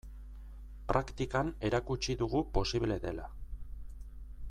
Praktikan erakutsi dugu posible dela.